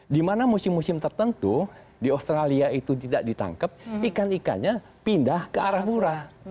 di mana musim musim tertentu di australia itu tidak ditangkap ikan ikannya pindah ke arafura